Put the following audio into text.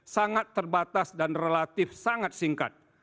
sangat terbatas dan relatif sangat singkat